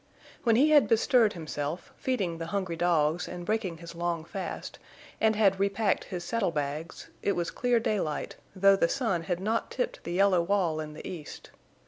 When he had bestirred himself, feeding the hungry dogs and breaking his long fast, and had repacked his saddle bags, it was clear daylight, though the sun had not tipped the yellow wall in the east.